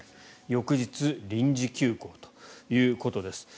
翌日、臨時休校ということです。